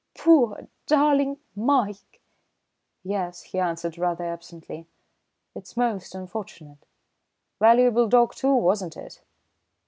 "Poor, darling Mike!" "Yes," he answered rather absently. "It's most unfortunate. Valuable dog, too, wasn't it?"